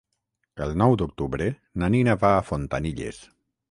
El nou d'octubre na Nina va a Fontanilles.